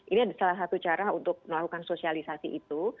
ini adalah salah satu cara untuk melakukan sosialisasi itu